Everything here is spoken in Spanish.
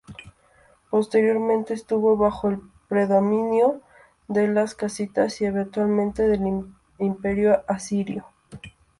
Posteriormente estuvo bajo el predominio de los casitas y eventualmente del Imperio Asirio.